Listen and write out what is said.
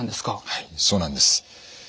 はいそうなんです。